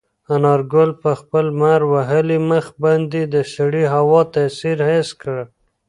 انارګل په خپل لمر وهلي مخ باندې د سړې هوا تاثیر حس کړ.